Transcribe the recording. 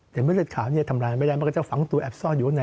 แต่เมล็ดขาวทำลายไม่ได้มันก็จะฝังตัวแอบซ่อนอยู่ออกไหน